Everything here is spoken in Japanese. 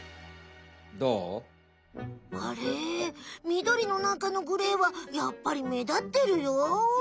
みどりのなかのグレーはやっぱり目立ってるよ。